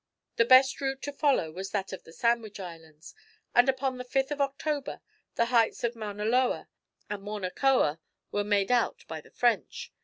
The best route to follow was that of the Sandwich Islands, and upon the 5th of October, the heights of Mauna Loa, and Mauna Koa were made out by the French.